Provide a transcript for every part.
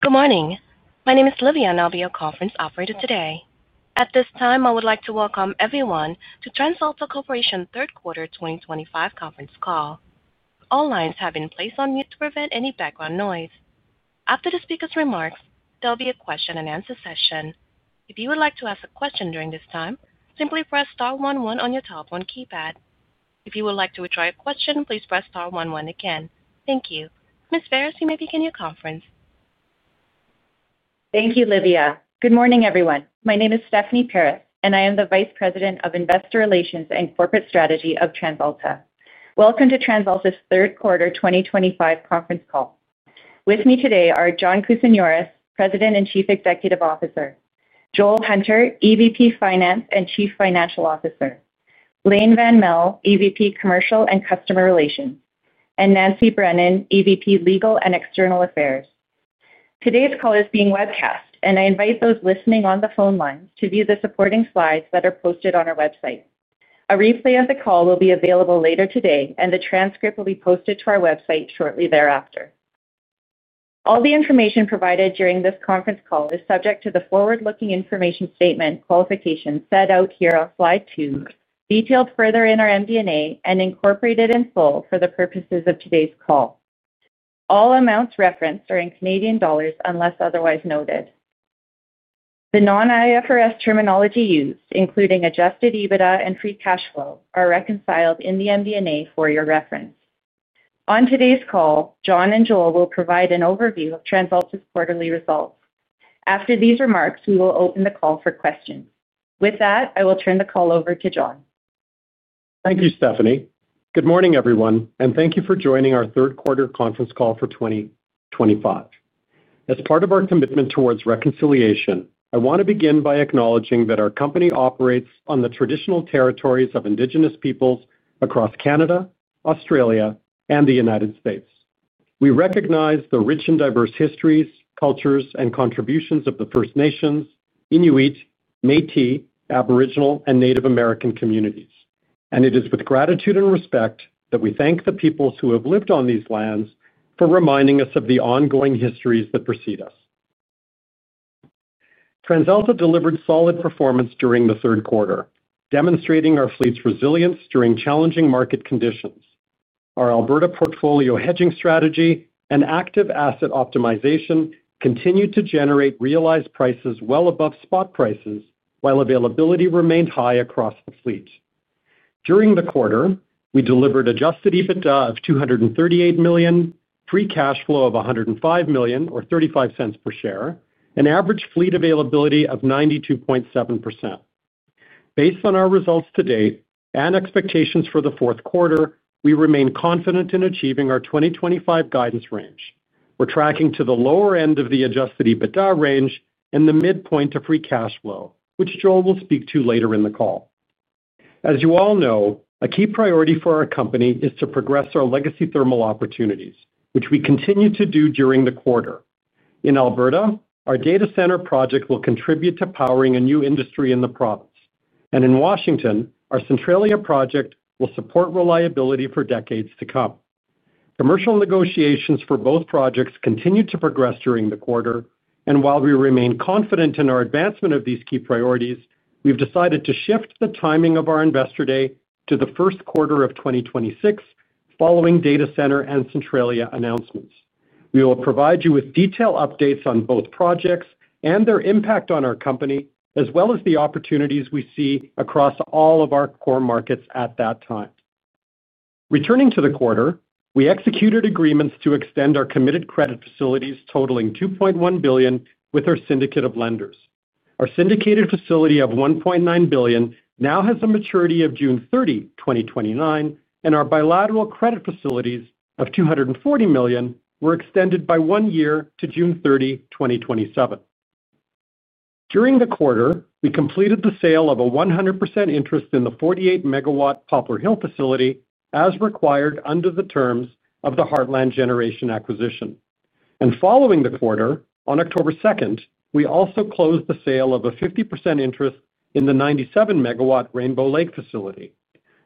Good morning. My name is Livia, and I'll be your conference operator today. At this time, I would like to welcome everyone to TransAlta Corporation Third Quarter 2025 Conference Call. All lines have been placed on mute to prevent any background noise. After the speaker's remarks, there will be a question-and-answer session. If you would like to ask a question during this time, simply press Star 1 1 on your telephone keypad. If you would like to retry a question, please press Star 1 1 again. Thank you. Ms. Paris, you may begin your conference. Thank you, Livia. Good morning, everyone. My name is Stephanie Paris, and I am the Vice President of Investor Relations and Corporate Strategy of TransAlta. Welcome to TransAlta's Third Quarter 2025 conference call. With me today are John Kousinioris, President and Chief Executive Officer; Joel Hunter, EVP Finance and Chief Financial Officer; Blain Van Melle, EVP Commercial and Customer Relations; and Nancy Brennan, EVP Legal and External Affairs. Today's call is being webcast, and I invite those listening on the phone lines to view the supporting slides that are posted on our website. A replay of the call will be available later today, and the transcript will be posted to our website shortly thereafter. All the information provided during this conference call is subject to the forward-looking information statement qualification set out here on Slide 2, detailed further in our MD&A and incorporated in full for the purposes of today's call. All amounts referenced are in CAD unless otherwise noted. The non-IFRS terminology used, including adjusted EBITDA and free cash flow, are reconciled in the MD&A for your reference. On today's call, John and Joel will provide an overview of TransAlta's quarterly results. After these remarks, we will open the call for questions. With that, I will turn the call over to John. Thank you, Stephanie. Good morning, everyone, and thank you for joining our Third Quarter Conference Call for 2025. As part of our commitment towards reconciliation, I want to begin by acknowledging that our company operates on the traditional territories of Indigenous peoples across Canada, Australia, and the United States. We recognize the rich and diverse histories, cultures, and contributions of the First Nations, Inuit, Métis, Aboriginal, and Native American communities, and it is with gratitude and respect that we thank the peoples who have lived on these lands for reminding us of the ongoing histories that precede us. TransAlta delivered solid performance during the third quarter, demonstrating our fleet's resilience during challenging market conditions. Our Alberta portfolio hedging strategy and active asset optimization continued to generate realized prices well above spot prices while availability remained high across the fleet. During the quarter, we delivered adjusted EBITDA of 238 million, free cash flow of 105 million, or 0.35 per share, and average fleet availability of 92.7%. Based on our results to date and expectations for the fourth quarter, we remain confident in achieving our 2025 guidance range. We are tracking to the lower end of the adjusted EBITDA range and the midpoint of free cash flow, which Joel will speak to later in the call. As you all know, a key priority for our company is to progress our legacy thermal opportunities, which we continue to do during the quarter. In Alberta, our data center project will contribute to powering a new industry in the province, and in Washington, our Centralia project will support reliability for decades to come. Commercial negotiations for both projects continue to progress during the quarter, and while we remain confident in our advancement of these key priorities, we've decided to shift the timing of our Investor Day to the first quarter of 2026, following data center and Centralia announcements. We will provide you with detailed updates on both projects and their impact on our company, as well as the opportunities we see across all of our core markets at that time. Returning to the quarter, we executed agreements to extend our committed credit facilities totaling 2.1 billion with our syndicate of lenders. Our syndicated facility of 1.9 billion now has a maturity of June 30, 2029, and our bilateral credit facilities of 240 million were extended by one year to June 30, 2027. During the quarter, we completed the sale of a 100% interest in the 48 MW Poplar Hill facility, as required under the terms of the Heartland Generation acquisition. Following the quarter, on October 2, we also closed the sale of a 50% interest in the 97 MW Rainbow Lake facility.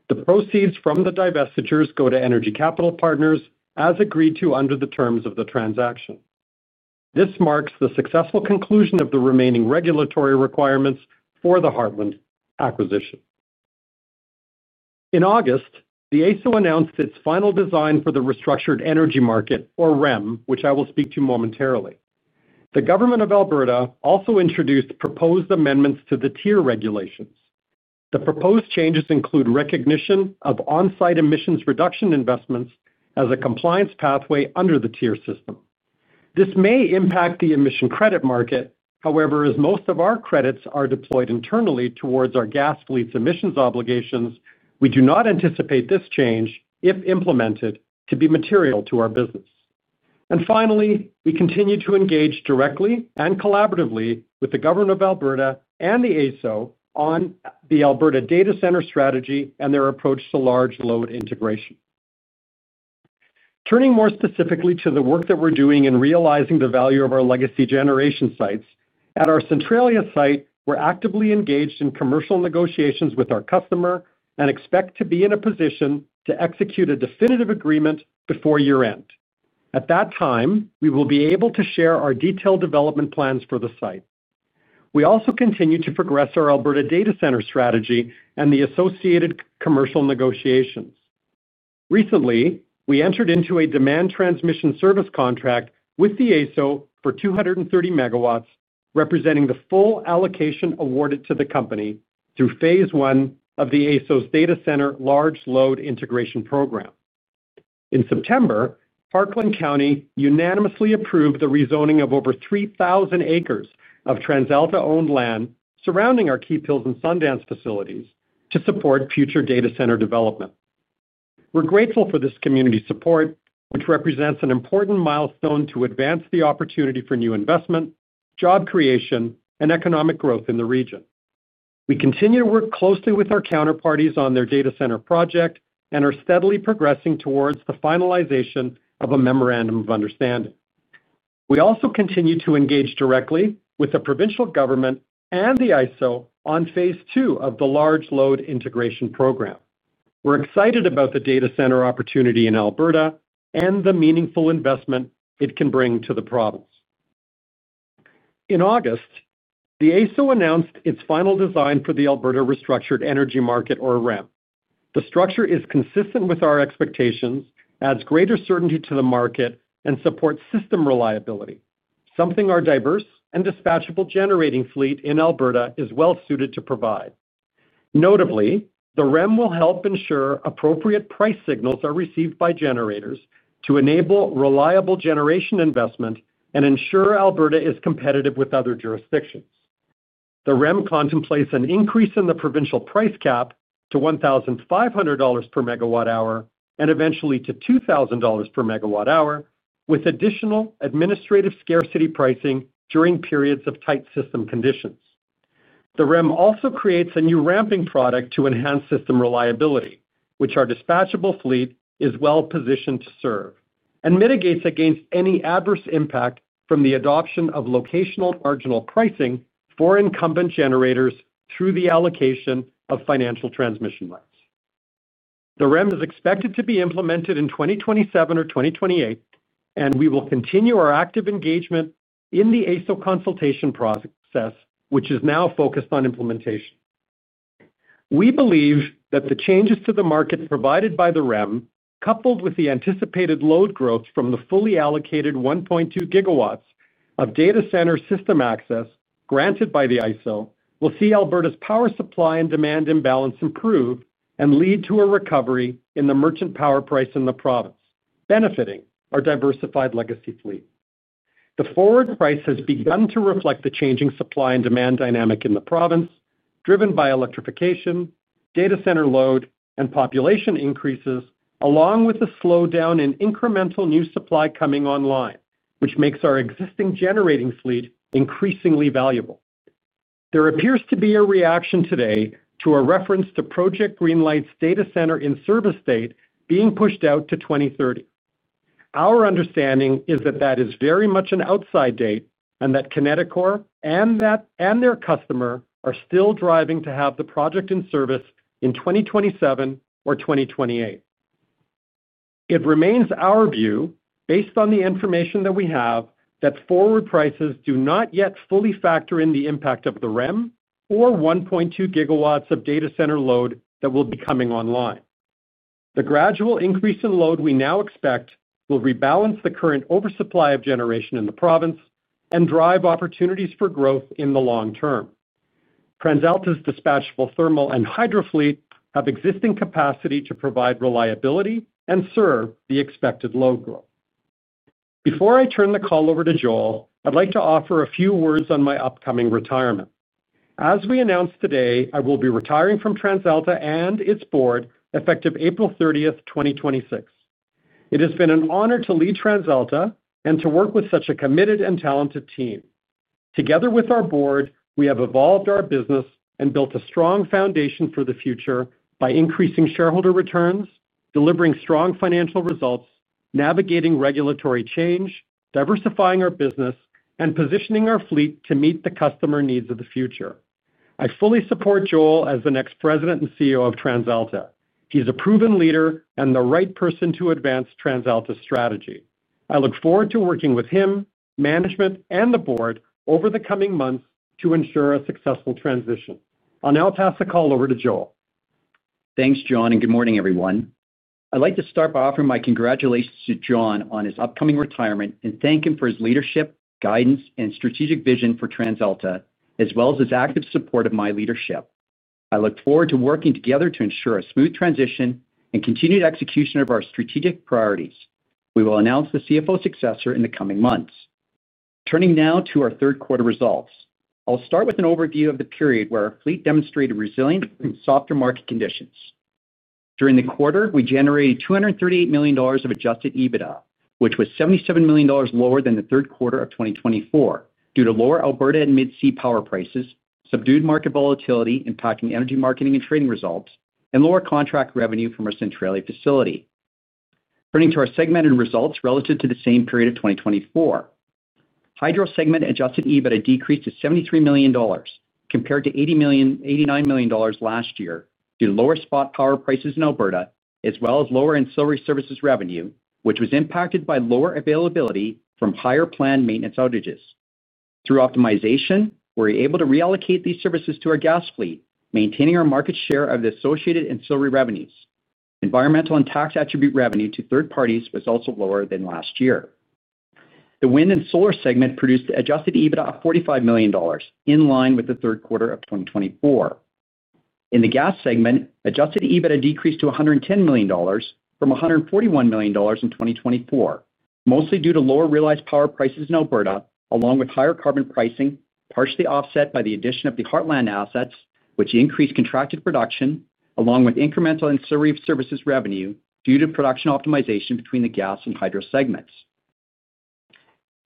The proceeds from the divestitures go to Energy Capital Partners, as agreed to under the terms of the transaction. This marks the successful conclusion of the remaining regulatory requirements for the Heartland acquisition. In August, the AESO announced its final design for the Restructured Energy Market, or REM, which I will speak to momentarily. The government of Alberta also introduced proposed amendments to the TIER regulations. The proposed changes include recognition of on-site emissions reduction investments as a compliance pathway under the TIER system. This may impact the emission credit market. However, as most of our credits are deployed internally towards our gas fleet's emissions obligations, we do not anticipate this change, if implemented, to be material to our business. Finally, we continue to engage directly and collaboratively with the government of Alberta and the AESO on the Alberta data center strategy and their approach to Large Load Integration. Turning more specifically to the work that we're doing in realizing the value of our legacy generation sites, at our Centralia site, we're actively engaged in commercial negotiations with our customer and expect to be in a position to execute a definitive agreement before year-end. At that time, we will be able to share our detailed development plans for the site. We also continue to progress our Alberta data center strategy and the associated commercial negotiations. Recently, we entered into a demand transmission service contract with the AESO for 230 MW, representing the full allocation awarded to the company through phase one of the AESO's data center Large Load Integration program. In September, Parkland County unanimously approved the rezoning of over 3,000 acres of TransAlta-owned land surrounding our Keephills and Sundance facilities to support future data center development. We're grateful for this community support, which represents an important milestone to advance the opportunity for new investment, job creation, and economic growth in the region. We continue to work closely with our counterparties on their data center project and are steadily progressing towards the finalization of a memorandum of understanding. We also continue to engage directly with the provincial government and the AESO on phase two of the Large Load Integration program. We're excited about the data center opportunity in Alberta and the meaningful investment it can bring to the province. In August, the AESO announced its final design for the Alberta Restructured Energy Market, or REM. The structure is consistent with our expectations, adds greater certainty to the market, and supports system reliability, something our diverse and dispatchable generating fleet in Alberta is well suited to provide. Notably, the REM will help ensure appropriate price signals are received by generators to enable reliable generation investment and ensure Alberta is competitive with other jurisdictions. The REM contemplates an increase in the provincial price cap to 1,500 dollars per megawatt hour and eventually to 2,000 dollars per megawatt hour, with additional Administrative Scarcity Pricing during periods of tight system conditions. The REM also creates a new Ramping Product to enhance system reliability, which our dispatchable fleet is well positioned to serve, and mitigates against any adverse impact from the adoption of Locational Marginal Pricing for incumbent generators through the allocation of Financial Transmission Rights. The REM is expected to be implemented in 2027 or 2028, and we will continue our active engagement in the AESO consultation process, which is now focused on implementation. We believe that the changes to the market provided by the REM, coupled with the anticipated load growth from the fully allocated 1.2 gigawatts of data center system access granted by the AESO, will see Alberta's power supply and demand imbalance improve and lead to a recovery in the merchant power price in the province, benefiting our diversified legacy fleet. The forward price has begun to reflect the changing supply and demand dynamic in the province, driven by electrification, data center load, and population increases, along with the slowdown in incremental new supply coming online, which makes our existing generating fleet increasingly valuable. There appears to be a reaction today to a reference to Project Greenlight's data center in-service date being pushed out to 2030. Our understanding is that that is very much an outside date and that Kineticor and their customer are still driving to have the project in-service in 2027 or 2028. It remains our view, based on the information that we have, that forward prices do not yet fully factor in the impact of the REM or 1.2 gigawatts of data center load that will be coming online. The gradual increase in load we now expect will rebalance the current oversupply of generation in the province and drive opportunities for growth in the long term. TransAlta's dispatchable thermal and hydro fleet have existing capacity to provide reliability and serve the expected load growth. Before I turn the call over to Joel, I'd like to offer a few words on my upcoming retirement. As we announced today, I will be retiring from TransAlta and its board effective April 30, 2026. It has been an honor to lead TransAlta and to work with such a committed and talented team. Together with our board, we have evolved our business and built a strong foundation for the future by increasing shareholder returns, delivering strong financial results, navigating regulatory change, diversifying our business, and positioning our fleet to meet the customer needs of the future. I fully support Joel as the next President and CEO of TransAlta. He's a proven leader and the right person to advance TransAlta's strategy. I look forward to working with him, management, and the board over the coming months to ensure a successful transition. I'll now pass the call over to Joel. Thanks, John, and good morning, everyone. I'd like to start by offering my congratulations to John on his upcoming retirement and thank him for his leadership, guidance, and strategic vision for TransAlta, as well as his active support of my leadership. I look forward to working together to ensure a smooth transition and continued execution of our strategic priorities. We will announce the CFO successor in the coming months. Turning now to our third quarter results, I'll start with an overview of the period where our fleet demonstrated resilience in softer market conditions. During the quarter, we generated 238 million dollars of adjusted EBITDA, which was 77 million dollars lower than the third quarter of 2024 due to lower Alberta and Mid-C power prices, subdued market volatility impacting energy marketing and trading results, and lower contract revenue from our Centralia facility. Turning to our segmented results relative to the same period of 2024. Hydro segment adjusted EBITDA decreased to 73 million dollars, compared to 89 million dollars last year due to lower spot power prices in Alberta, as well as lower Ancillary Services revenue, which was impacted by lower availability from higher planned maintenance outages. Through optimization, we were able to reallocate these services to our gas fleet, maintaining our market share of the associated ancillary revenues. Environmental and tax attribute revenue to third parties was also lower than last year. The wind and solar segment produced adjusted EBITDA of 45 million dollars, in line with the third quarter of 2024. In the gas segment, adjusted EBITDA decreased to 110 million dollars from 141 million dollars in 2024, mostly due to lower realized power prices in Alberta, along with higher carbon pricing, partially offset by the addition of the Heartland assets, which increased contracted production, along with incremental Ancillary Services revenue due to production optimization between the gas and hydro segments.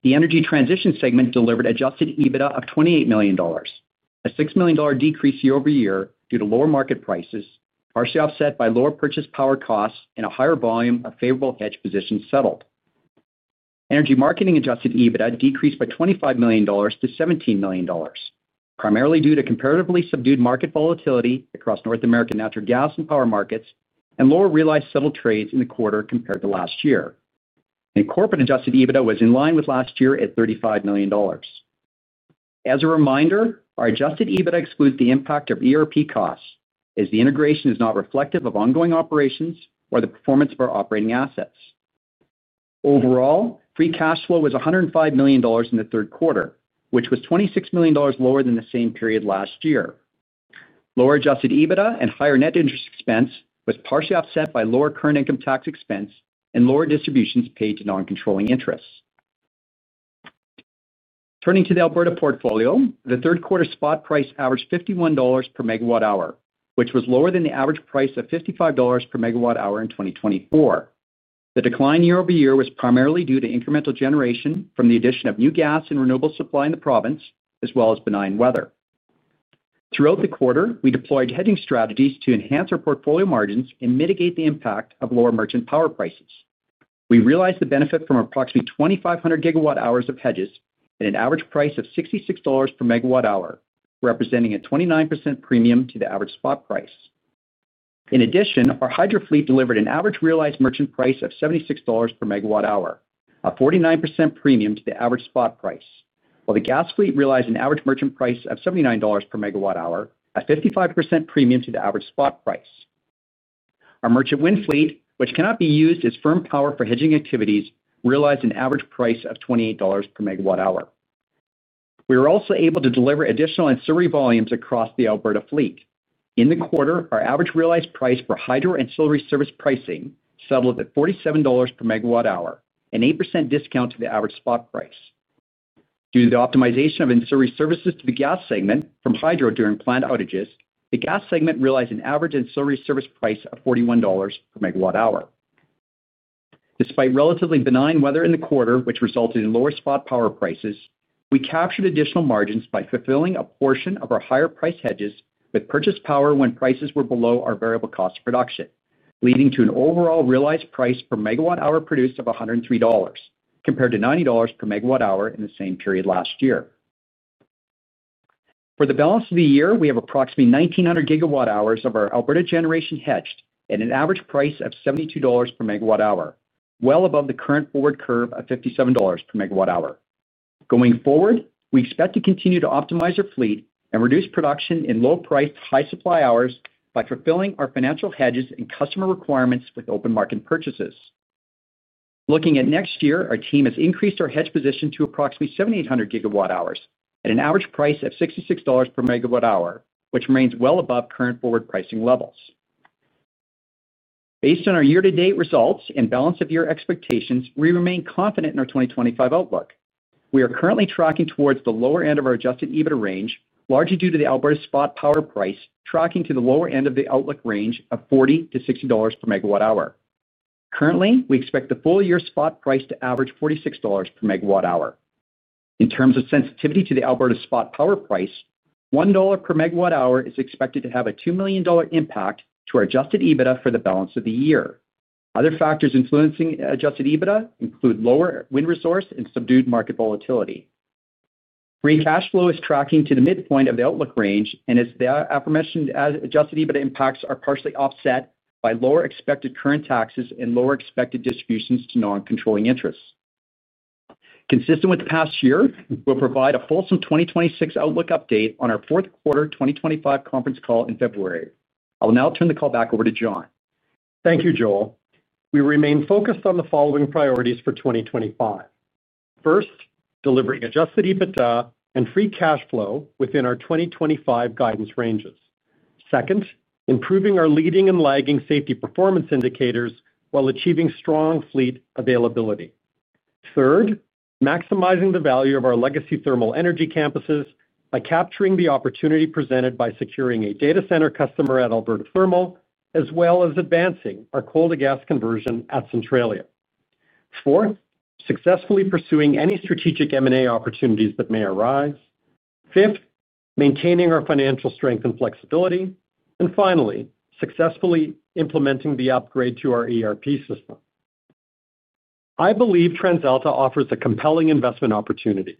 The energy transition segment delivered adjusted EBITDA of 28 million dollars, a 6 million dollar decrease year over year due to lower market prices, partially offset by lower purchase power costs and a higher volume of favorable hedge positions settled. Energy marketing adjusted EBITDA decreased by 25 million dollars to 17 million dollars, primarily due to comparatively subdued market volatility across North America and natural gas and power markets and lower realized settled trades in the quarter compared to last year. Corporate adjusted EBITDA was in line with last year at 35 million dollars. As a reminder, our adjusted EBITDA excludes the impact of ERP costs, as the integration is not reflective of ongoing operations or the performance of our operating assets. Overall, free cash flow was 105 million dollars in the third quarter, which was 26 million dollars lower than the same period last year. Lower adjusted EBITDA and higher net interest expense was partially offset by lower current income tax expense and lower distributions paid to non-controlling interests. Turning to the Alberta portfolio, the third quarter spot price averaged 51 dollars per megawatt hour, which was lower than the average price of 55 dollars per megawatt hour in 2024. The decline year over year was primarily due to incremental generation from the addition of new gas and renewable supply in the province, as well as benign weather. Throughout the quarter, we deployed hedging strategies to enhance our portfolio margins and mitigate the impact of lower merchant power prices. We realized the benefit from approximately 2,500 gigawatt hours of hedges at an average price of 66 dollars per megawatt hour, representing a 29% premium to the average spot price. In addition, our hydro fleet delivered an average realized merchant price of 76 dollars per megawatt hour, a 49% premium to the average spot price, while the gas fleet realized an average merchant price of 79 dollars per megawatt hour, a 55% premium to the average spot price. Our merchant wind fleet, which cannot be used as firm power for hedging activities, realized an average price of 28 dollars per megawatt hour. We were also able to deliver additional ancillary volumes across the Alberta fleet. In the quarter, our average realized price for hydro ancillary service pricing settled at 47 dollars per megawatt hour, an 8% discount to the average spot price. Due to the optimization of Ancillary Services to the gas segment from hydro during planned outages, the gas segment realized an average ancillary service price of 41 dollars per megawatt hour. Despite relatively benign weather in the quarter, which resulted in lower spot power prices, we captured additional margins by fulfilling a portion of our higher price hedges with purchase power when prices were below our variable cost of production, leading to an overall realized price per megawatt hour produced of 103 dollars, compared to 90 dollars per megawatt hour in the same period last year. For the balance of the year, we have approximately 1,900 gigawatt hours of our Alberta generation hedged at an average price of 72 dollars per megawatt hour, well above the current forward curve of 57 dollars per megawatt hour. Going forward, we expect to continue to optimize our fleet and reduce production in low-priced, high-supply hours by fulfilling our financial hedges and customer requirements with open market purchases. Looking at next year, our team has increased our hedge position to approximately 7,800 gigawatt hours at an average price of 66 dollars per megawatt hour, which remains well above current forward pricing levels. Based on our year-to-date results and balance-of-year expectations, we remain confident in our 2025 outlook. We are currently tracking towards the lower end of our adjusted EBITDA range, largely due to the Alberta spot power price tracking to the lower end of the outlook range of 40-60 dollars per megawatt hour. Currently, we expect the full-year spot price to average 46 dollars per megawatt hour. In terms of sensitivity to the Alberta spot power price, 1 dollar per megawatt hour is expected to have a 2 million dollar impact to our adjusted EBITDA for the balance of the year. Other factors influencing adjusted EBITDA include lower wind resource and subdued market volatility. Free cash flow is tracking to the midpoint of the outlook range, as the aforementioned adjusted EBITDA impacts are partially offset by lower expected current taxes and lower expected distributions to non-controlling interests. Consistent with the past year, we'll provide a fulsome 2026 outlook update on our fourth quarter 2025 conference call in February. I'll now turn the call back over to John. Thank you, Joel. We remain focused on the following priorities for 2025. First, delivering adjusted EBITDA and free cash flow within our 2025 guidance ranges. Second, improving our leading and lagging safety performance indicators while achieving strong fleet availability. Third, maximizing the value of our legacy thermal energy campuses by capturing the opportunity presented by securing a data center customer at Alberta Thermal, as well as advancing our coal-to-gas conversion at Centralia. Fourth, successfully pursuing any strategic M&A opportunities that may arise. Fifth, maintaining our financial strength and flexibility. Finally, successfully implementing the upgrade to our ERP System. I believe TransAlta offers a compelling investment opportunity.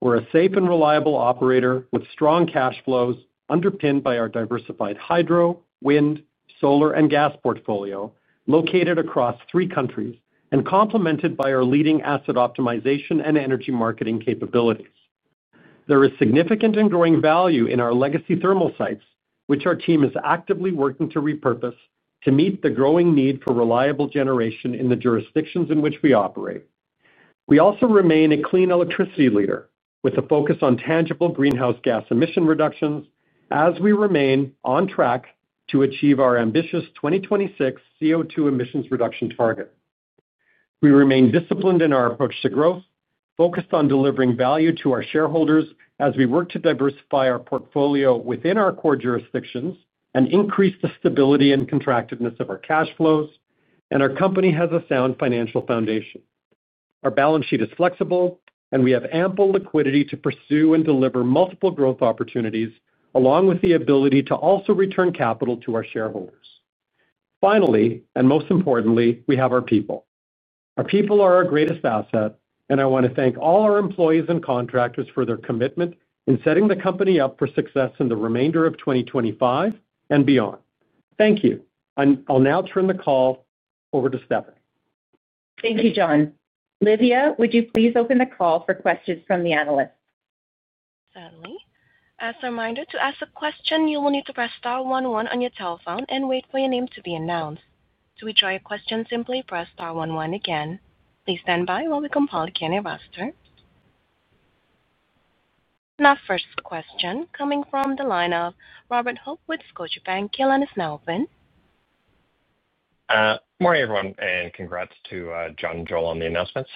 We're a safe and reliable operator with strong cash flows underpinned by our diversified hydro, wind, solar, and gas portfolio located across three countries and complemented by our leading asset optimization and energy marketing capabilities. There is significant and growing value in our legacy thermal sites, which our team is actively working to repurpose to meet the growing need for reliable generation in the jurisdictions in which we operate. We also remain a clean electricity leader with a focus on tangible greenhouse gas emission reductions as we remain on track to achieve our ambitious 2026 CO2 emissions reduction target. We remain disciplined in our approach to growth, focused on delivering value to our shareholders as we work to diversify our portfolio within our core jurisdictions and increase the stability and contractedness of our cash flows, and our company has a sound financial foundation. Our balance sheet is flexible, and we have ample liquidity to pursue and deliver multiple growth opportunities, along with the ability to also return capital to our shareholders. Finally, and most importantly, we have our people. Our people are our greatest asset, and I want to thank all our employees and contractors for their commitment in setting the company up for success in the remainder of 2025 and beyond. Thank you. I'll now turn the call over to Stephanie. Thank you, John. Livia, would you please open the call for questions from the analysts? As a reminder, to ask a question, you will need to press Star 11 on your telephone and wait for your name to be announced. To withdraw your question, simply press Star 11 again. Please stand by while we compile the Q&A roster. Now, first question coming from the line of Robert Hope with Scotiabank, you line is now open. Morning, everyone, and congrats to John and Joel on the announcements.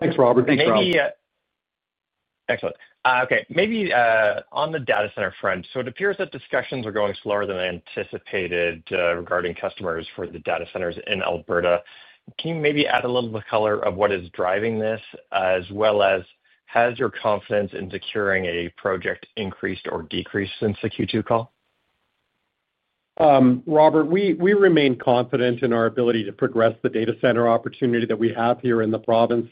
Thanks, Robert. Thanks, Rob. Excellent. Okay, maybe on the data center front, it appears that discussions are going slower than anticipated regarding customers for the data centers in Alberta. Can you maybe add a little bit of color of what is driving this, as well as has your confidence in securing a project increased or decreased since the Q2 call? Robert, we remain confident in our ability to progress the data center opportunity that we have here in the province.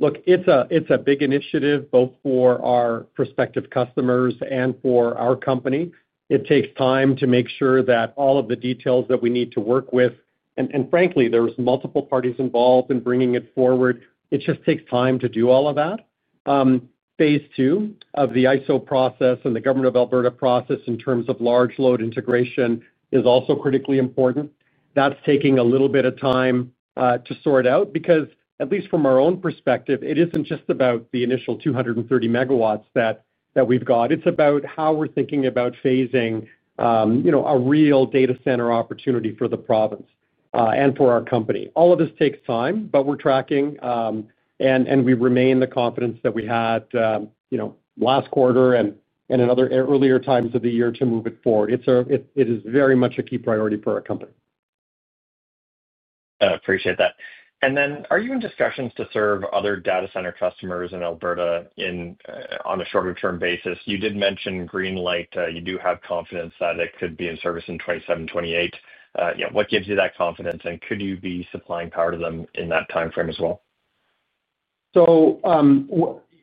Look, it's a big initiative both for our prospective customers and for our company. It takes time to make sure that all of the details that we need to work with, and frankly, there's multiple parties involved in bringing it forward. It just takes time to do all of that. Phase two of the AESO process and the government of Alberta process in terms of Large Load Integration is also critically important. That's taking a little bit of time to sort out because, at least from our own perspective, it isn't just about the initial 230 MW that we've got. It's about how we're thinking about phasing. A real data center opportunity for the province and for our company. All of this takes time, but we're tracking. We remain the confidence that we had last quarter and in other earlier times of the year to move it forward. It is very much a key priority for our company. I appreciate that. Are you in discussions to serve other data center customers in Alberta on a shorter-term basis? You did mention Greenlight. You do have confidence that it could be in service in 2027, 2028. What gives you that confidence, and could you be supplying power to them in that timeframe as well?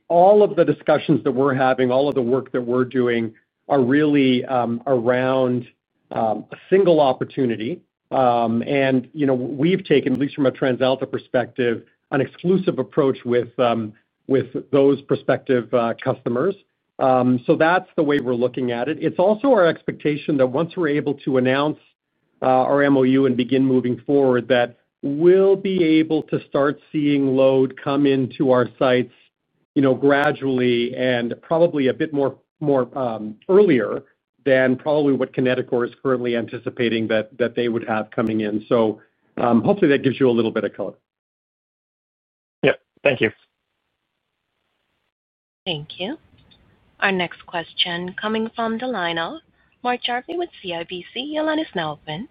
All of the discussions that we're having, all of the work that we're doing are really around a single opportunity. We've taken, at least from a TransAlta perspective, an exclusive approach with those prospective customers. That's the way we're looking at it. It's also our expectation that once we're able to announce our MOU and begin moving forward, we'll be able to start seeing load come into our sites gradually and probably a bit more earlier than probably what Kineticor is currently anticipating that they would have coming in. Hopefully that gives you a little bit of color. Yeah, thank you. Thank you. Our next question coming from the line of Mark Jarvi with CIBC, your line is now open.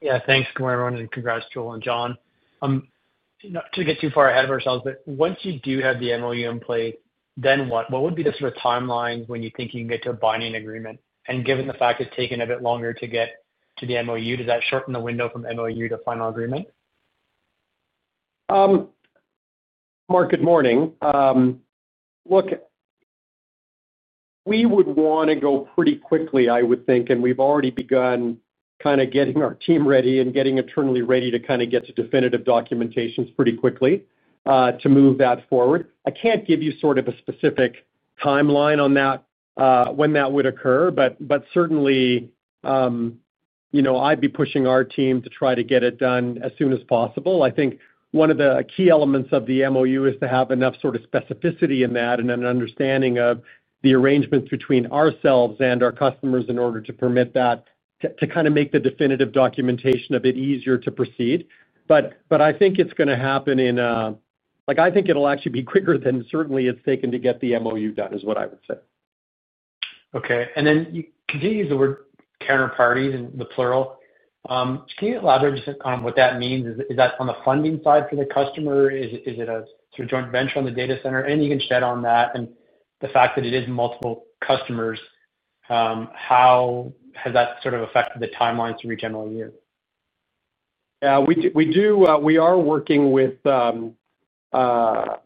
Yeah, thanks, Aron, and congrats, Joel and John. Not to get too far ahead of ourselves, but once you do have the MOU in place, then what? What would be the sort of timeline when you think you can get to a binding agreement? Given the fact it's taken a bit longer to get to the MOU, does that shorten the window from MOU to final agreement? Mark, good morning. Look. We would want to go pretty quickly, I would think, and we've already begun kind of getting our team ready and getting internally ready to kind of get to definitive documentations pretty quickly to move that forward. I can't give you sort of a specific timeline on that, when that would occur, but certainly I'd be pushing our team to try to get it done as soon as possible. I think one of the key elements of the MOU is to have enough sort of specificity in that and an understanding of the arrangements between ourselves and our customers in order to permit that to kind of make the definitive documentation a bit easier to proceed. I think it's going to happen in a—I think it'll actually be quicker than certainly it's taken to get the MOU done is what I would say. Okay. You continue to use the word counterparties in the plural. Can you elaborate just on what that means? Is that on the funding side for the customer? Is it a sort of joint venture on the data center? Anything you can shed on that and the fact that it is multiple customers? How has that sort of affected the timeline to reach MOU? Yeah, we are working with more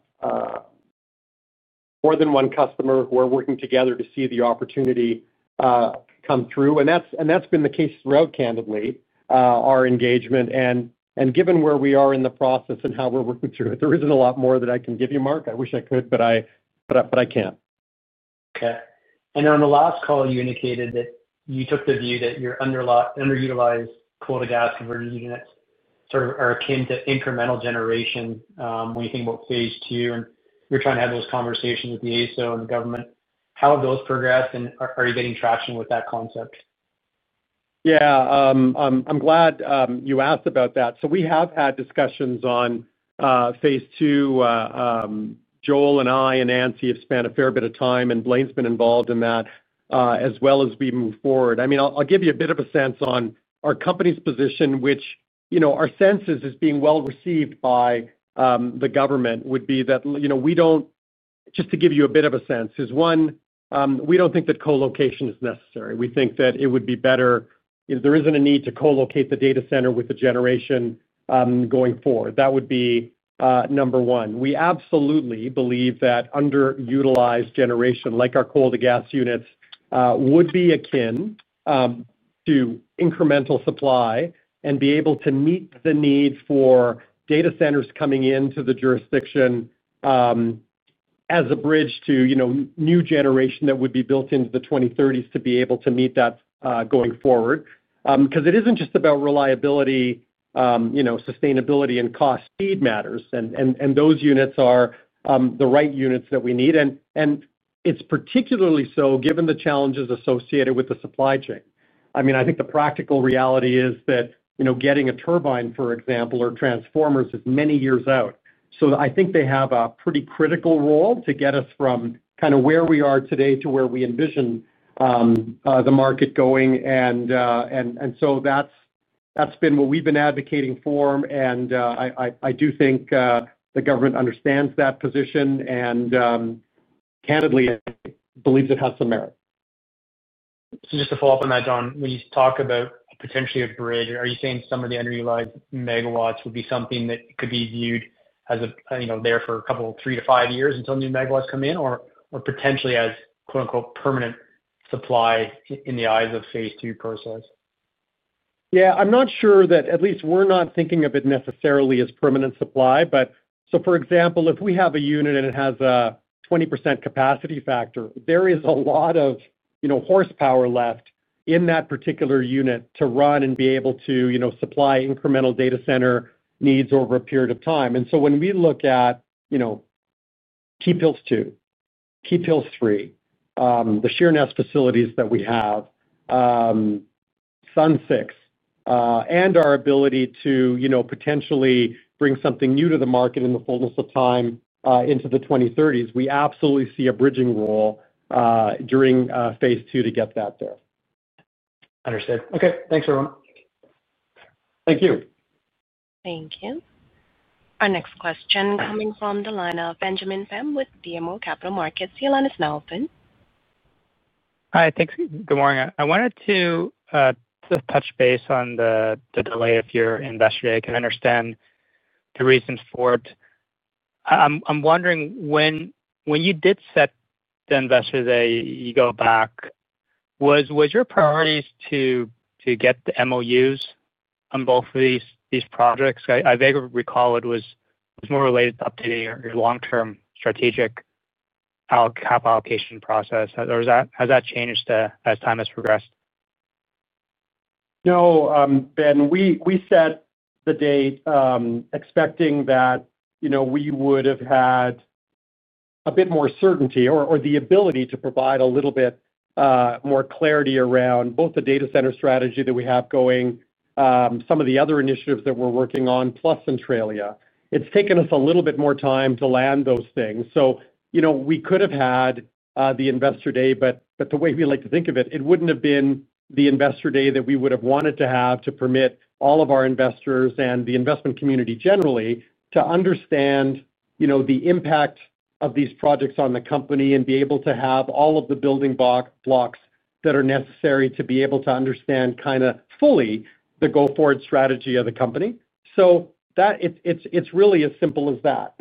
than one customer. We are working together to see the opportunity come through. That has been the case throughout, candidly, our engagement. Given where we are in the process and how we are working through it, there is not a lot more that I can give you, Mark. I wish I could, but I cannot. Okay. On the last call, you indicated that you took the view that your underutilized coal-to-gas conversion units sort of are akin to incremental generation when you think about phase two, and you're trying to have those conversations with the AESO and the government. How have those progressed, and are you getting traction with that concept? Yeah, I'm glad you asked about that. We have had discussions on phase two. Joel and I and Nancy have spent a fair bit of time, and Blain's been involved in that as well as we move forward. I mean, I'll give you a bit of a sense on our company's position, which our sense is being well received by the government. Just to give you a bit of a sense, one, we don't think that co-location is necessary. We think that it would be better—there isn't a need to co-locate the data center with the generation going forward. That would be number one. We absolutely believe that underutilized generation, like our coal-to-gas units, would be akin to incremental supply and be able to meet the need for data centers coming into the jurisdiction. As a bridge to new generation that would be built into the 2030s to be able to meet that going forward. Because it isn't just about reliability, sustainability, and cost. Speed matters, and those units are the right units that we need. It's particularly so given the challenges associated with the supply chain. I mean, I think the practical reality is that getting a turbine, for example, or transformers is many years out. I think they have a pretty critical role to get us from kind of where we are today to where we envision the market going. That's been what we've been advocating for. I do think the government understands that position, and candidly, I believe it has some merit. Just to follow up on that, John, when you talk about potentially a bridge, are you saying some of the underutilized megawatts would be something that could be viewed as there for a couple, three to five years until new megawatts come in, or potentially as "permanent supply" in the eyes of phase two process? Yeah, I'm not sure that at least we're not thinking of it necessarily as permanent supply. For example, if we have a unit and it has a 20% capacity factor, there is a lot of horsepower left in that particular unit to run and be able to supply incremental data center needs over a period of time. When we look at Keephills Two, Keephills Three, the Sheerness facilities that we have, Sundance, and our ability to potentially bring something new to the market in the fullness of time into the 2030s, we absolutely see a bridging role during phase two to get that there. Understood. Okay. Thanks, everyone. Thank you. Thank you. Our next question coming from the line of Benjamin Pham with BMO Capital Markets, your line is now open. Hi, thanks. Good morning. I wanted to touch base on the delay of your investor day. I can understand the reasons for it. I'm wondering, when you did set the investor day, you go back, was your priorities to get the MOUs on both of these projects? I vaguely recall it was more related to updating your long-term strategic capital allocation process. Has that changed as time has progressed? No, Ben, we set the date expecting that. We would have had a bit more certainty or the ability to provide a little bit more clarity around both the data center strategy that we have going, some of the other initiatives that we're working on, plus Centralia. It's taken us a little bit more time to land those things. We could have had the investor day, but the way we like to think of it, it wouldn't have been the investor day that we would have wanted to have to permit all of our investors and the investment community generally to understand the impact of these projects on the company and be able to have all of the building blocks that are necessary to be able to understand kind of fully the go-forward strategy of the company. It's really as simple as that.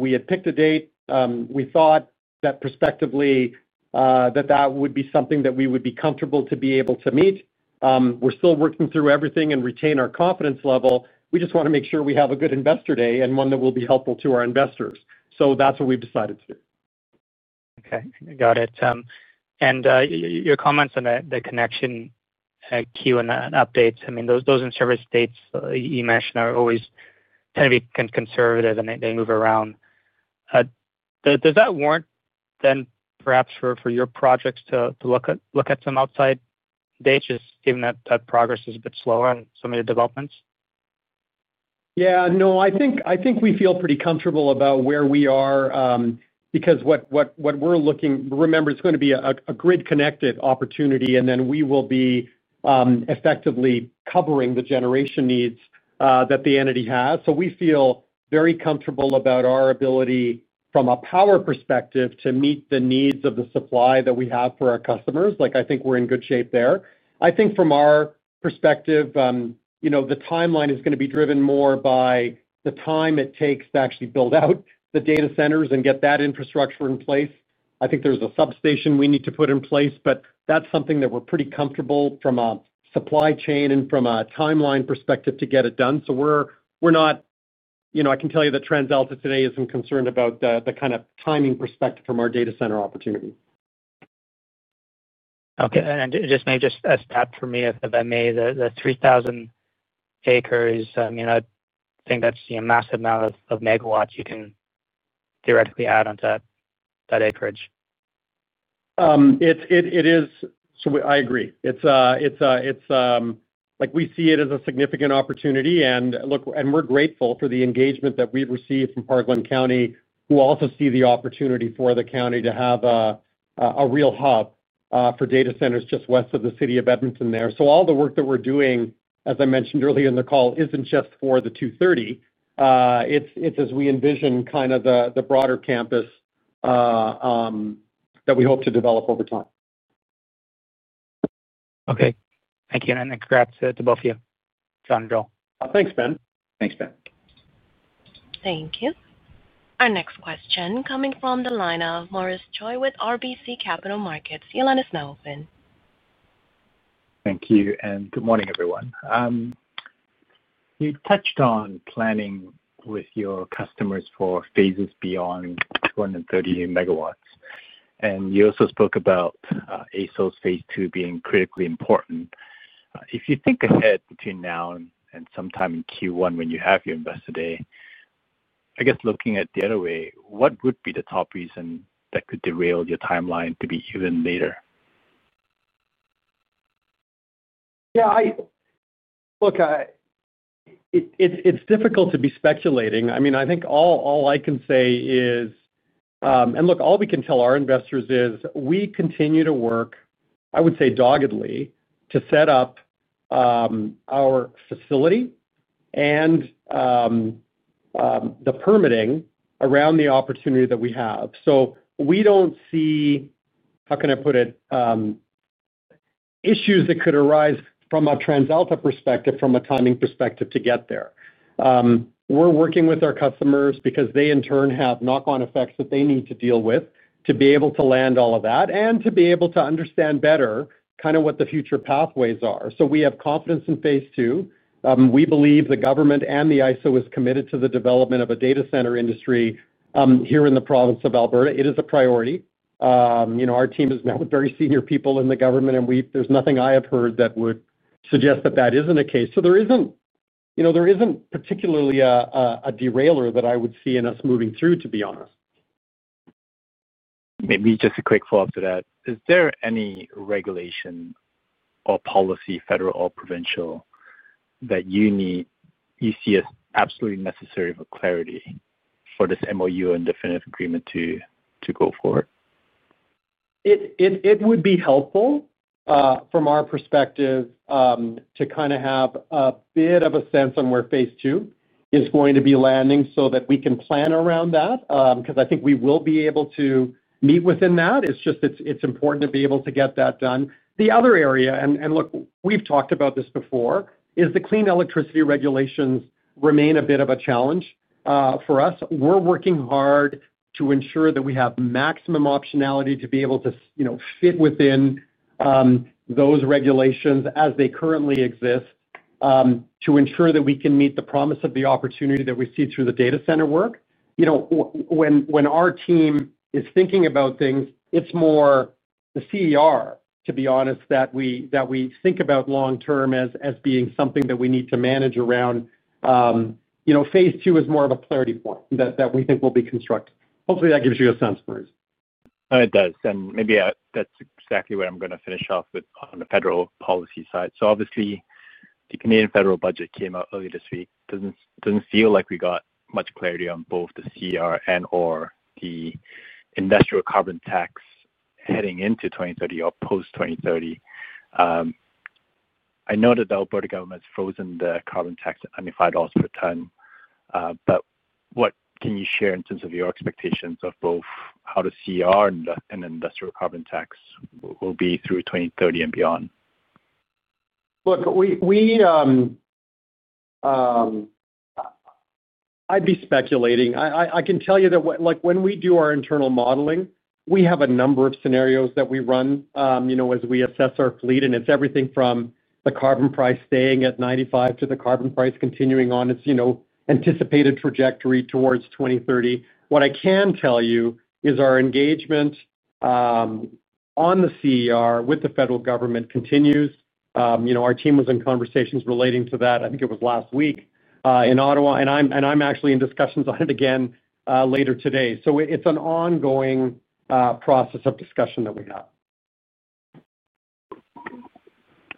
We had picked a date. We thought that prospectively that would be something that we would be comfortable to be able to meet. We're still working through everything and retain our confidence level. We just want to make sure we have a good investor day and one that will be helpful to our investors. That's what we've decided to do. Okay. Got it. Your comments on the connection queue and updates, I mean, those in-service dates you mentioned always tend to be kind of conservative, and they move around. Does that warrant then perhaps for your projects to look at some outside dates, just given that progress is a bit slower in some of your developments? Yeah. No, I think we feel pretty comfortable about where we are because what we're looking at—remember, it's going to be a grid-connected opportunity—and then we will be effectively covering the generation needs that the entity has. So we feel very comfortable about our ability from a power perspective to meet the needs of the supply that we have for our customers. I think we're in good shape there. I think from our perspective, the timeline is going to be driven more by the time it takes to actually build out the data centers and get that infrastructure in place. I think there's a substation we need to put in place, but that's something that we're pretty comfortable from a supply chain and from a timeline perspective to get it done. We're not—I can tell you that TransAlta today isn't concerned about the kind of timing perspective from our data center opportunity. Okay. And just maybe just a stat for me, if I may, the 3,000 acres, I mean, I think that's a massive amount of megawatts you can theoretically add onto that acreage. It is. I agree. It's like we see it as a significant opportunity. Look, we're grateful for the engagement that we've received from Parkland County, who also see the opportunity for the county to have a real hub for data centers just west of the city of Edmonton there. All the work that we're doing, as I mentioned earlier in the call, isn't just for the 230. It's as we envision kind of the broader campus that we hope to develop over time. Okay. Thank you. And congrats to both of you, John and Joel. Thanks, Ben. Thanks, Ben. Thank you. Our next question coming from the line of Maurice Choy with RBC Capital Markets, your line is now open. Thank you. Good morning, everyone. You touched on planning with your customers for phases beyond 230 megawatts. You also spoke about AESO's phase two being critically important. If you think ahead between now and sometime in Q1 when you have your investor day, I guess looking at it the other way, what would be the top reason that could derail your timeline to be even later? Yeah. Look. It is difficult to be speculating. I mean, I think all I can say is. And look, all we can tell our investors is we continue to work, I would say, doggedly to set up our facility and the permitting around the opportunity that we have. We do not see—how can I put it?—issues that could arise from a TransAlta perspective, from a timing perspective to get there. We are working with our customers because they, in turn, have knock-on effects that they need to deal with to be able to land all of that and to be able to understand better kind of what the future pathways are. We have confidence in phase two. We believe the government and the AESO is committed to the development of a data center industry here in the province of Alberta. It is a priority. Our team is now with very senior people in the government, and there's nothing I have heard that would suggest that that isn't the case. There isn't particularly a derailer that I would see in us moving through, to be honest. Maybe just a quick follow-up to that. Is there any regulation or policy, federal or provincial, that you see as absolutely necessary for clarity for this MOU and definitive agreement to go forward? It would be helpful. From our perspective, to kind of have a bit of a sense on where phase two is going to be landing so that we can plan around that because I think we will be able to meet within that. It's just it's important to be able to get that done. The other area, and look, we've talked about this before, is the Clean Electricity Regulations remain a bit of a challenge for us. We're working hard to ensure that we have maximum optionality to be able to fit within those regulations as they currently exist. To ensure that we can meet the promise of the opportunity that we see through the data center work. When our team is thinking about things, it's more the CER, to be honest, that we think about long-term as being something that we need to manage around. Phase two is more of a clarity point that we think will be constructed. Hopefully, that gives you a sense, Maurice. It does. Maybe that's exactly what I'm going to finish off with on the federal policy side. Obviously, the Canadian federal budget came out earlier this week. It does not feel like we got much clarity on both the CER and/or the industrial carbon tax heading into 2030 or post-2030. I know that the Alberta government has frozen the carbon tax, 25 dollars per ton. What can you share in terms of your expectations of both how the CER and the industrial carbon tax will be through 2030 and beyond? Look. I'd be speculating. I can tell you that when we do our internal modeling, we have a number of scenarios that we run as we assess our fleet. And it's everything from the carbon price staying at 95 to the carbon price continuing on its anticipated trajectory towards 2030. What I can tell you is our engagement on the CER with the federal government continues. Our team was in conversations relating to that, I think it was last week, in Ottawa. I'm actually in discussions on it again later today. It is an ongoing process of discussion that we have.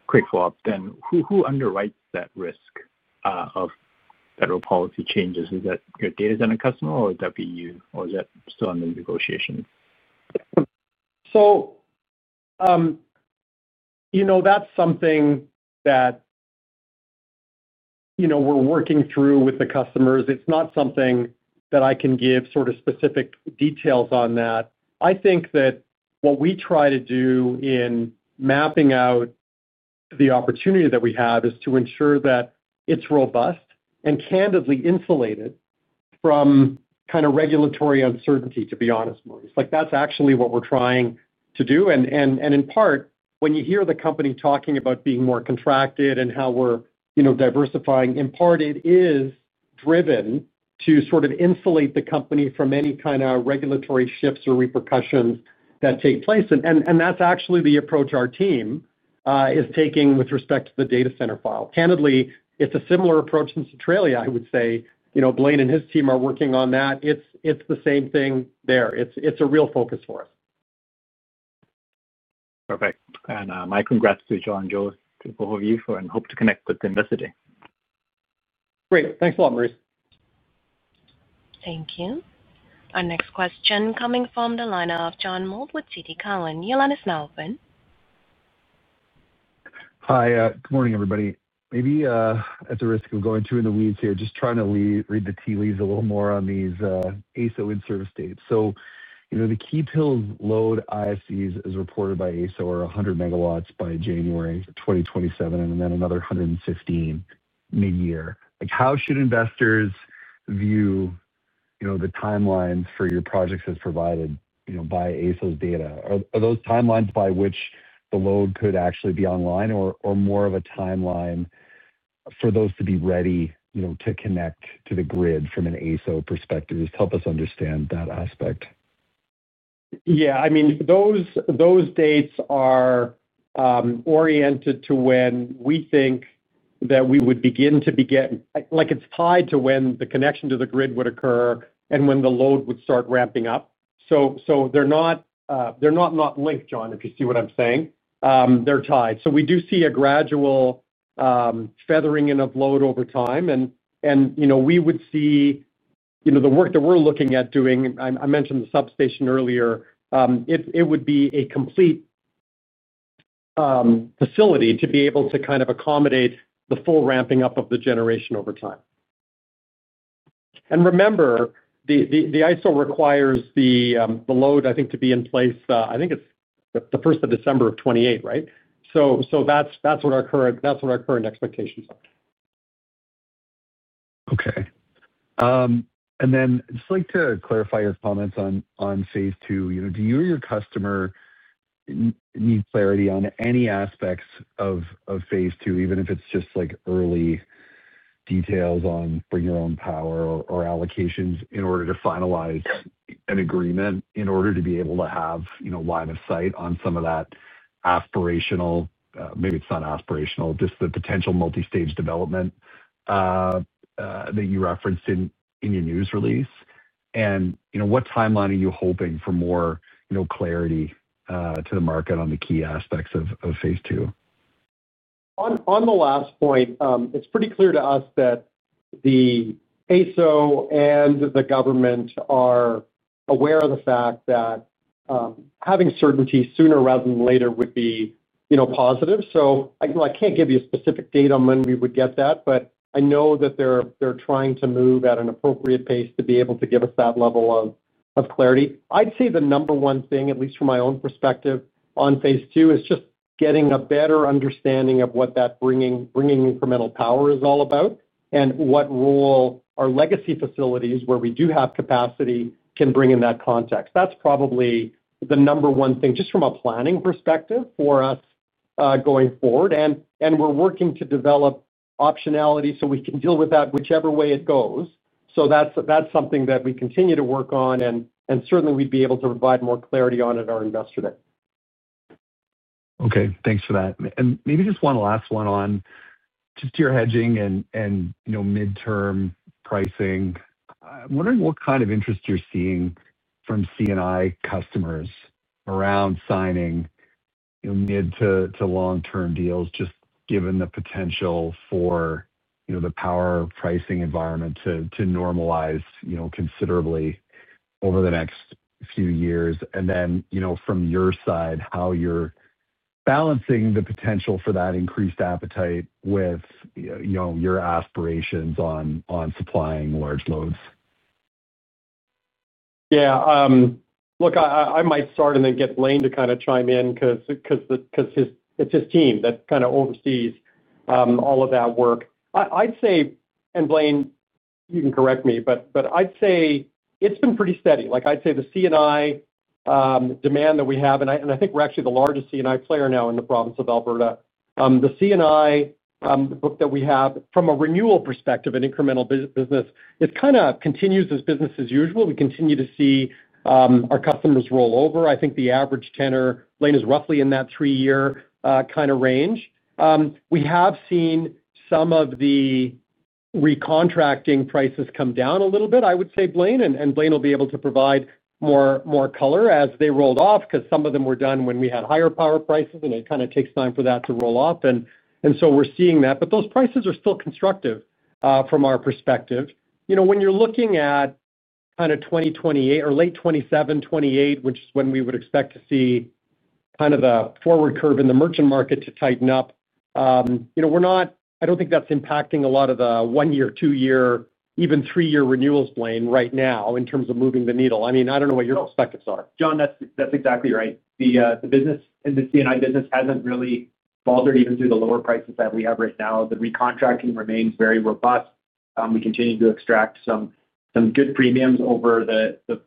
Quick follow-up then. Who underwrites that risk of federal policy changes? Is that your data center customer, or would that be you? Is that still under negotiation? That is something that we are working through with the customers. It is not something that I can give sort of specific details on. I think that what we try to do in mapping out the opportunity that we have is to ensure that it is robust and, candidly, insulated from kind of regulatory uncertainty, to be honest, Maurice. That is actually what we are trying to do. In part, when you hear the company talking about being more contracted and how we are diversifying, in part, it is driven to sort of insulate the company from any kind of regulatory shifts or repercussions that take place. That is actually the approach our team is taking with respect to the data center file. Candidly, it is a similar approach in Centralia, I would say. Blain and his team are working on that. It is the same thing there. It is a real focus for us. Perfect. My congrats to John and Joel, to both of you, and hope to connect with them visiting. Great. Thanks a lot, Maurice. Thank you. Our next question coming from the line of John Mould with CIBC, your line is now open. Hi. Good morning, everybody. Maybe at a risk of going too in the weeds here, just trying to read the tea leaves a little more on these AESO in-service dates. So the Keephills load ISDs as reported by AESO are 100 MW by January 2027, and then another 115 MW mid-year. How should investors view the timelines for your projects as provided by AESO's data? Are those timelines by which the load could actually be online, or more of a timeline for those to be ready to connect to the grid from an AESO perspective? Just help us understand that aspect. Yeah. I mean, those dates are oriented to when we think that we would begin to begin. It's tied to when the connection to the grid would occur and when the load would start ramping up. They're not linked, John, if you see what I'm saying. They're tied. We do see a gradual feathering in of load over time. We would see the work that we're looking at doing, I mentioned the substation earlier, it would be a complete facility to be able to kind of accommodate the full ramping up of the generation over time. Remember, the AESO requires the load, I think, to be in place. I think it's the 1st of December of 2028, right? That's what our current expectations are. Okay. Just like to clarify your comments on phase two. Do you or your customer need clarity on any aspects of phase two, even if it's just early details on bring-your-own-power or allocations in order to finalize an agreement in order to be able to have line of sight on some of that. Aspirational—maybe it's not aspirational—just the potential multi-stage development that you referenced in your news release. What timeline are you hoping for more clarity to the market on the key aspects of phase two? On the last point, it's pretty clear to us that the AESO and the government are aware of the fact that having certainty sooner rather than later would be positive. I can't give you a specific date on when we would get that, but I know that they're trying to move at an appropriate pace to be able to give us that level of clarity. I'd say the number one thing, at least from my own perspective on phase two, is just getting a better understanding of what that bringing incremental power is all about and what role our legacy facilities, where we do have capacity, can bring in that context. That's probably the number one thing just from a planning perspective for us going forward. We're working to develop optionality so we can deal with that whichever way it goes. That is something that we continue to work on. Certainly, we would be able to provide more clarity on it to our investor there. Okay. Thanks for that. Maybe just one last one on just your hedging and mid-term pricing. I'm wondering what kind of interest you're seeing from C&I customers around signing mid to long-term deals, just given the potential for the power pricing environment to normalize considerably over the next few years. From your side, how you're balancing the potential for that increased appetite with your aspirations on supplying large loads. Yeah. Look, I might start and then get Blain to kind of chime in because it's his team that kind of oversees all of that work. I'd say—and Blain, you can correct me—but I'd say it's been pretty steady. I'd say the C&I demand that we have—and I think we're actually the largest C&I player now in the province of Alberta—the C&I book that we have from a renewal perspective, an incremental business, it kind of continues as business as usual. We continue to see our customers roll over. I think the average tenor, Blain, is roughly in that three-year kind of range. We have seen some of the recontracting prices come down a little bit, I would say, Blain. Blain will be able to provide more color as they rolled off because some of them were done when we had higher power prices, and it kind of takes time for that to roll off. We are seeing that. Those prices are still constructive from our perspective. When you are looking at kind of 2028 or late 2027, 2028, which is when we would expect to see kind of the forward curve in the merchant market tighten up. I do not think that is impacting a lot of the one-year, two-year, even three-year renewals, Blain, right now in terms of moving the needle. I mean, I do not know what your perspectives are. John, that's exactly right. The C&I business hasn't really faltered even through the lower prices that we have right now. The recontracting remains very robust. We continue to extract some good premiums over the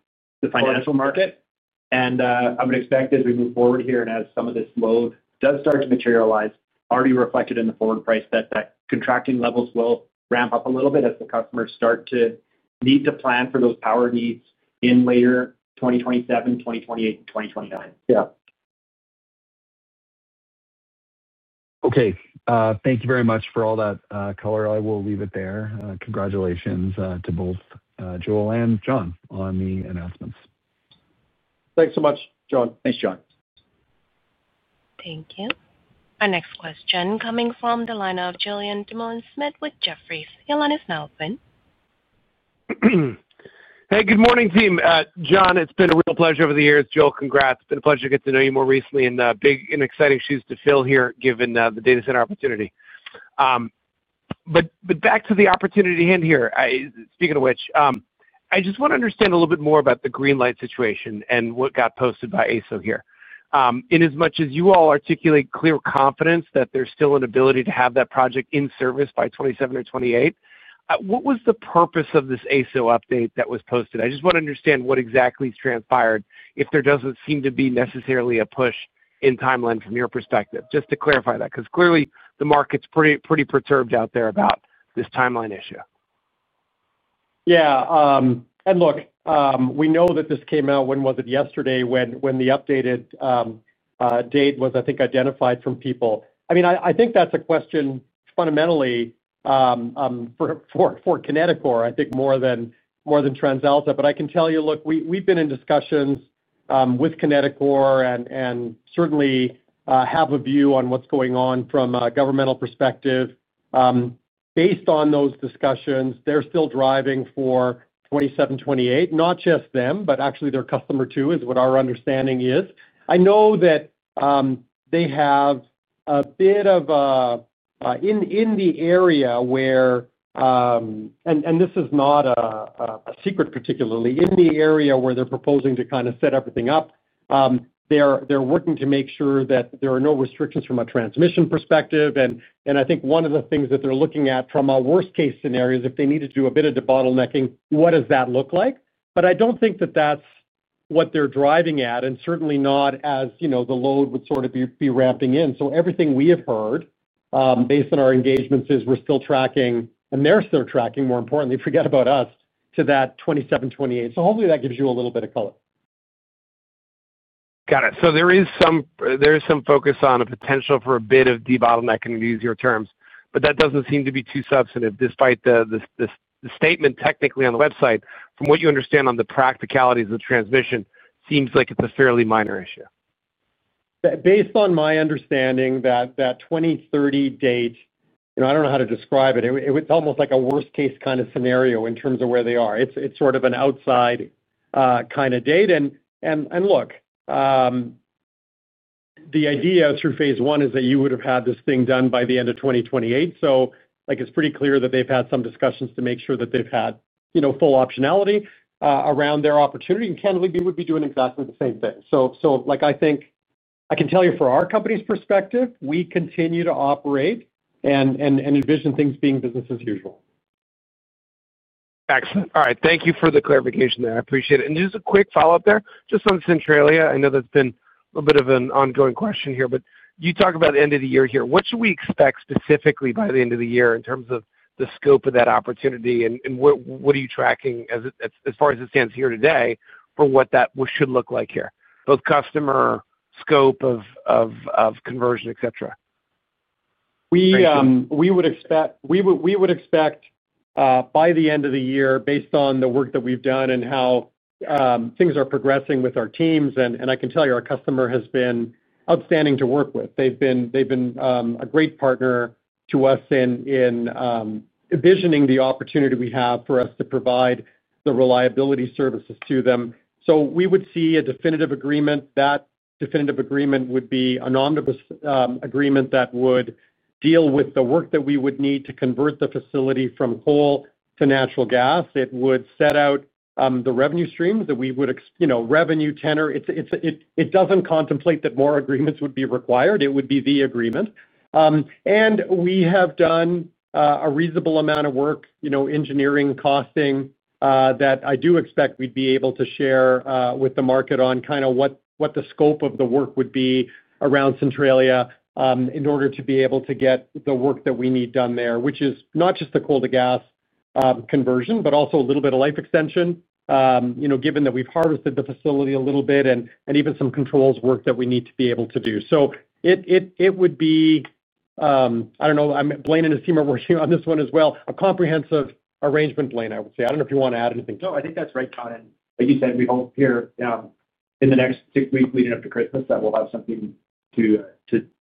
financial market. I would expect as we move forward here and as some of this load does start to materialize, already reflected in the forward price, that contracting levels will ramp up a little bit as the customers start to need to plan for those power needs in later 2027, 2028, and 2029. Yeah. Okay. Thank you very much for all that color. I will leave it there. Congratulations to both Joel and John on the announcements. Thanks so much, John. Thanks, John. Thank you. Our next question coming from the line of Julien Dumoulin-Smith with Jefferies, your line is now open. Hey, good morning, team. John, it's been a real pleasure over the years. Joel, congrats. It's been a pleasure to get to know you more recently and big and exciting shoes to fill here given the data center opportunity. Back to the opportunity at hand here, speaking of which, I just want to understand a little bit more about the Greenlight situation and what got posted by AESO here. In as much as you all articulate clear confidence that there's still an ability to have that project in service by 2027 or 2028, what was the purpose of this AESO update that was posted? I just want to understand what exactly transpired if there doesn't seem to be necessarily a push in timeline from your perspective, just to clarify that, because clearly, the market's pretty perturbed out there about this timeline issue. Yeah. Look, we know that this came out—when was it?—yesterday when the updated date was, I think, identified from people. I mean, I think that's a question fundamentally for Kineticor, I think, more than TransAlta. I can tell you, look, we've been in discussions with Kineticor and certainly have a view on what's going on from a governmental perspective. Based on those discussions, they're still driving for 2027-2028, not just them, but actually their customer too is what our understanding is. I know that they have a bit of a—in the area where, and this is not a secret, particularly—in the area where they're proposing to kind of set everything up. They're working to make sure that there are no restrictions from a transmission perspective. I think one of the things that they're looking at from a worst-case scenario is if they need to do a bit of debottlenecking, what does that look like? I do not think that that's what they're driving at, and certainly not as the load would sort of be ramping in. Everything we have heard based on our engagements is we're still tracking, and they're still tracking, more importantly, forget about us, to that 2027, 2028. Hopefully, that gives you a little bit of color. Got it. There is some focus on a potential for a bit of debottlenecking in easier terms, but that does not seem to be too substantive despite the statement technically on the website. From what you understand on the practicalities of transmission, it seems like it is a fairly minor issue. Based on my understanding, that 2030 date, I do not know how to describe it. It is almost like a worst-case kind of scenario in terms of where they are. It is sort of an outside kind of date. Look, the idea through phase one is that you would have had this thing done by the end of 2028. It is pretty clear that they have had some discussions to make sure that they have had full optionality around their opportunity. Candidly, we would be doing exactly the same thing. I think I can tell you from our company's perspective, we continue to operate and envision things being business as usual. Excellent. All right. Thank you for the clarification there. I appreciate it. Just a quick follow-up there, just on Centralia. I know that's been a little bit of an ongoing question here, but you talk about the end of the year here. What should we expect specifically by the end of the year in terms of the scope of that opportunity? What are you tracking as far as it stands here today for what that should look like here, both customer scope of conversion, etc.? We would expect by the end of the year, based on the work that we've done and how things are progressing with our teams. I can tell you our customer has been outstanding to work with. They've been a great partner to us in envisioning the opportunity we have for us to provide the reliability services to them. We would see a definitive agreement. That definitive agreement would be an omnibus agreement that would deal with the work that we would need to convert the facility from coal to natural gas. It would set out the revenue streams, the revenue tenor. It does not contemplate that more agreements would be required. It would be the agreement. We have done a reasonable amount of work, engineering, costing, that I do expect we would be able to share with the market on kind of what the scope of the work would be around Centralia in order to be able to get the work that we need done there, which is not just the coal-to-gas conversion, but also a little bit of life extension, given that we have harvested the facility a little bit and even some controls work that we need to be able to do. It would be, I do not know, Blain and Esima are working on this one as well, a comprehensive arrangement, Blain, I would say. I do not know if you want to add anything. No, I think that's right, John. Like you said, we hope here in the next six weeks leading up to Christmas that we'll have something to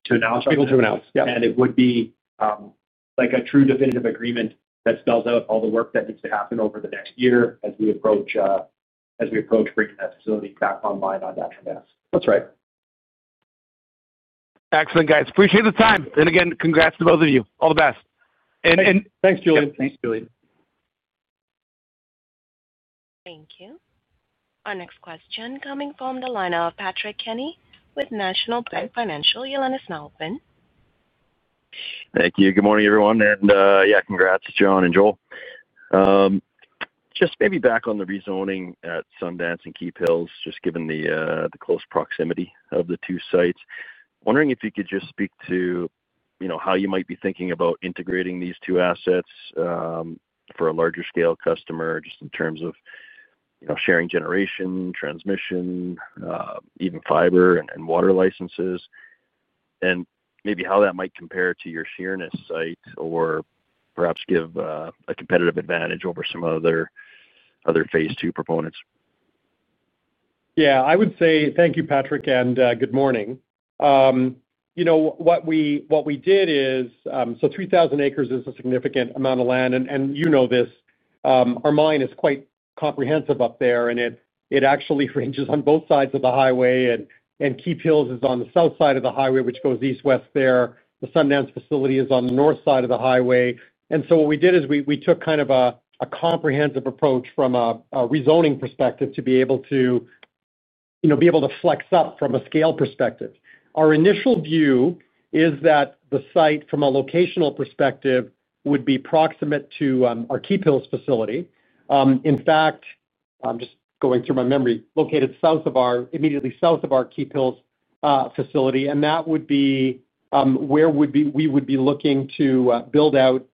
announce. Something to announce. Yeah. It would be a true definitive agreement that spells out all the work that needs to happen over the next year as we approach bringing that facility back online on natural gas. That's right. Excellent, guys. Appreciate the time. Again, congrats to both of you. All the best. Thanks, Julien. Thanks, Julien. Thank you. Our next question coming from the line of Patrick Kenny with National Bank Financial, your line is now open. Thank you. Good morning, everyone. Yeah, congrats, John and Joel. Just maybe back on the rezoning at Sundance and Keephills, just given the close proximity of the two sites. Wondering if you could just speak to how you might be thinking about integrating these two assets for a larger-scale customer just in terms of sharing generation, transmission, even fiber and water licenses, and maybe how that might compare to your Sheerness site or perhaps give a competitive advantage over some other phase two proponents. Yeah. I would say thank you, Patrick, and good morning. What we did is, so 3,000 acres is a significant amount of land. And you know this. Our mine is quite comprehensive up there, and it actually ranges on both sides of the highway. Keephills is on the south side of the highway, which goes east-west there. The Sundance facility is on the north side of the highway. What we did is we took kind of a comprehensive approach from a rezoning perspective to be able to be able to flex up from a scale perspective. Our initial view is that the site, from a locational perspective, would be proximate to our Keephills facility. In fact, I am just going through my memory, located immediately south of our Keephills facility. That would be where we would be looking to build out.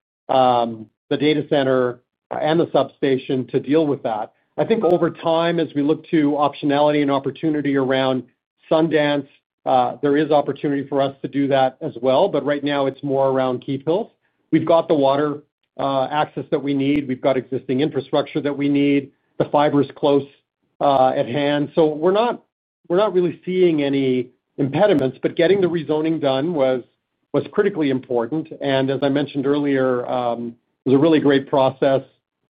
The data center and the substation to deal with that. I think over time, as we look to optionality and opportunity around Sundance, there is opportunity for us to do that as well. Right now, it is more around Keephills. We have got the water access that we need. We have got existing infrastructure that we need. The fiber is close at hand. We are not really seeing any impediments, but getting the rezoning done was critically important. As I mentioned earlier, it was a really great process.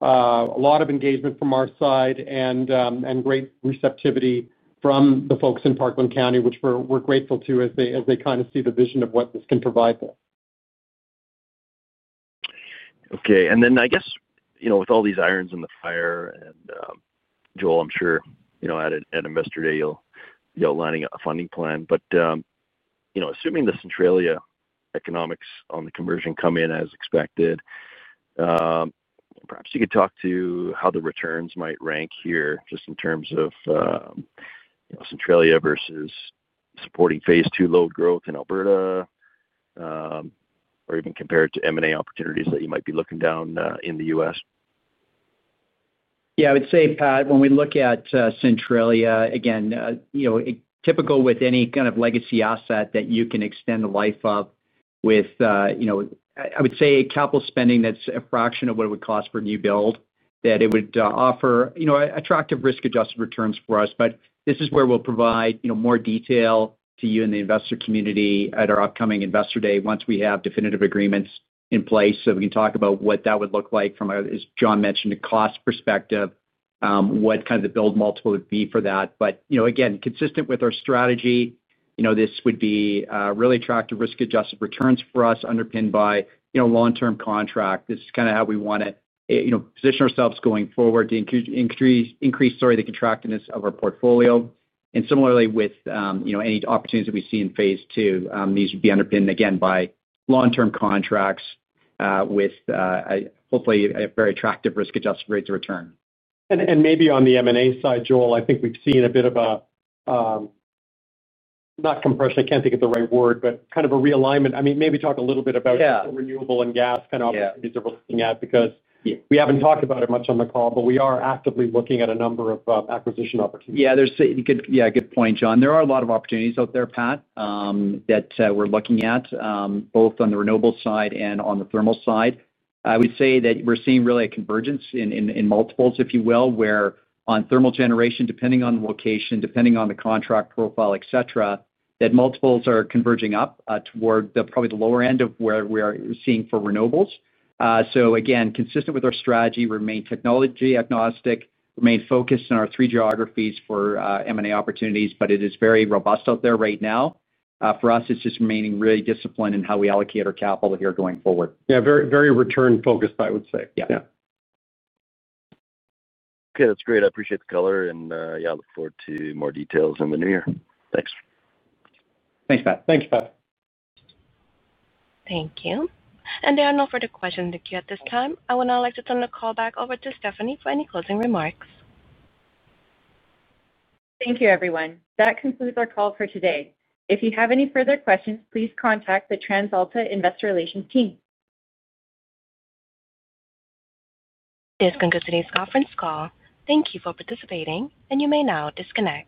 A lot of engagement from our side and great receptivity from the folks in Parkland County, which we are grateful to as they kind of see the vision of what this can provide for. Okay. And then I guess with all these irons in the fire. Joel, I'm sure at investor day you'll be outlining a funding plan. Assuming the Centralia economics on the conversion come in as expected, perhaps you could talk to how the returns might rank here just in terms of Centralia versus supporting phase two load growth in Alberta, or even compare it to M&A opportunities that you might be looking down in the U.S.? Yeah. I would say, Pat, when we look at Centralia, again, typical with any kind of legacy asset that you can extend the life of with, I would say capital spending that's a fraction of what it would cost for a new build, that it would offer attractive risk-adjusted returns for us. This is where we'll provide more detail to you and the investor community at our upcoming investor day once we have definitive agreements in place so we can talk about what that would look like from, as John mentioned, a cost perspective, what kind of the build multiple would be for that. Again, consistent with our strategy, this would be really attractive risk-adjusted returns for us underpinned by long-term contract. This is kind of how we want to position ourselves going forward to increase the contractiveness of our portfolio. Similarly, with any opportunities that we see in phase two, these would be underpinned again by long-term contracts with, hopefully, a very attractive risk-adjusted rate to return. Maybe on the M&A side, Joel, I think we've seen a bit of a, not compression. I can't think of the right word, but kind of a realignment. I mean, maybe talk a little bit about renewable and gas kind of opportunities that we're looking at because we haven't talked about it much on the call, but we are actively looking at a number of acquisition opportunities. Yeah. Yeah, good point, John. There are a lot of opportunities out there, Pat, that we're looking at both on the renewable side and on the thermal side. I would say that we're seeing really a convergence in multiples, if you will, where on thermal generation, depending on the location, depending on the contract profile, etc., that multiples are converging up toward probably the lower end of where we are seeing for renewables. Again, consistent with our strategy, remain technology agnostic, remain focused on our three geographies for M&A opportunities, but it is very robust out there right now. For us, it's just remaining really disciplined in how we allocate our capital here going forward. Yeah. Very return-focused, I would say. Yeah. Okay. That's great. I appreciate the color. Yeah, I look forward to more details in the new year. Thanks. Thanks, Pat. Thank you. There are no further questions in the queue at this time. I would now like to turn the call back over to Stephanie for any closing remarks. Thank you, everyone. That concludes our call for today. If you have any further questions, please contact the TransAlta investor relations team. This concludes today's conference call. Thank you for participating, and you may now disconnect.